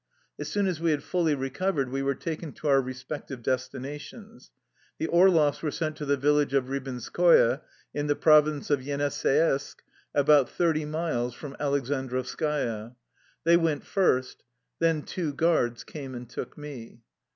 As soon as we had fully recovered we were taken to our respective destinations. The Or loffs were sent to the village of Eibinskoye, in the province of Yeniseisk, about thirty miles from Aleksandrovskoye. They went first. Then two guards came and took me.